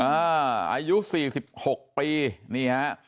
อายุ๔๖ปีนี่ฮะ